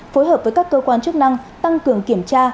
phối hợp với các cơ quan chức năng tăng cường kiểm tra